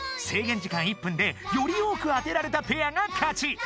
制限時間１分でより多く当てられたペアがかち。